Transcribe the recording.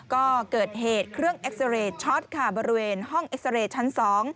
ก็เกิดเหตุเครื่องเอ็กซาเรย์ช็อตค่ะบริเวณห้องเอ็กซาเรย์ชั้น๒